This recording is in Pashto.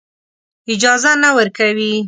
اجازه نه ورکوي.